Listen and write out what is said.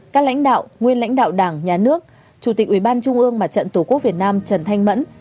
các lãnh đạo nguyên lãnh đạo đảng nhà nước chủ tịch ủy ban trung ương mặt trận tổ quốc việt nam trần thanh mẫn